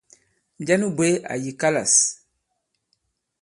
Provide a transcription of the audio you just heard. Njɛ nu bwě àyì kalâs ?